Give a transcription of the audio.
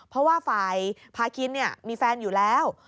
เพราะว่าฝ่ายพาคินมีแฟนอยู่แล้ว